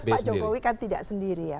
ya jelas pak jokowi kan tidak sendiri ya